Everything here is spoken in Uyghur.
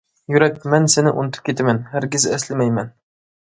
يۈرەك: مەن سېنى ئۇنتۇپ كېتىمەن، ھەرگىز ئەسلىمەيمەن.